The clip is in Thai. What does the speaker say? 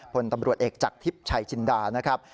พลตำรวจเอกจากทิพย์ชัยจินดานะครับ